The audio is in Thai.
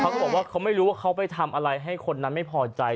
เขาก็บอกว่าเขาไม่รู้ว่าเขาไปทำอะไรให้คนนั้นไม่พอใจ